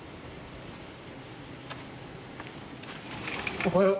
おはよう。